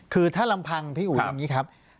คือถ้าลำพังพี่อุ๋ยอย่างนี้ครับ